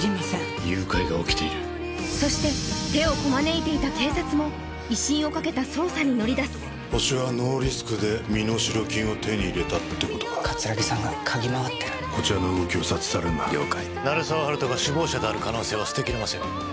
誘拐が起きているそして手をこまねいていた警察も威信をかけた捜査に乗りだすホシはノーリスクで身代金を手に入れたってことか・葛城さんが嗅ぎ回ってるこちらの動きを察知されんな鳴沢温人が首謀者である可能性は捨てきれません